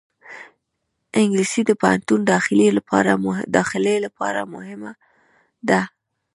انګلیسي د پوهنتون داخلې لپاره مهمه ده